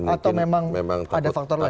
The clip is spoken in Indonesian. atau memang ada faktor lain